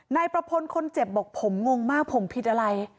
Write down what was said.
นายประพลคนเจ็บบอกผมงงมากผมผิดอะไร